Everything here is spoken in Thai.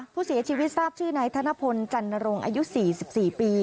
ผู้เสียชีวิตทราบชื่อนายธนพลจันนรงค์อายุ๔๔ปี